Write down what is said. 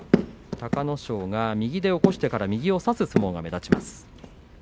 隆の勝が右で起こしてから右を差す相撲が目立ちます。